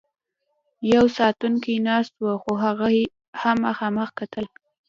یو ساتونکی ناست و، خو هغه هم مخامخ کتل.